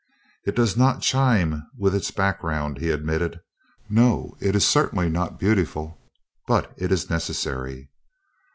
"It does not chime with its background," he admitted. "No, it is cer tainly not beautiful. But it is necessary."